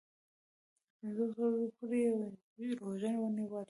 تر پنځو ورځو پوري یې روژه ونیوله.